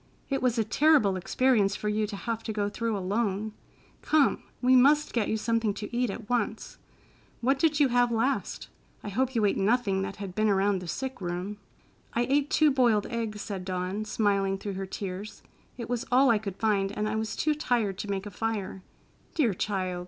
It was a terrible experience for you to have to go through alone. Come, we must get you something to eat at once. What did you have last? I hope you ate nothing that had been around the sick room." "I ate two boiled eggs," said Dawn, smiling through her tears. "It was all I could find, and I was too tired to make a fire." "Dear child!"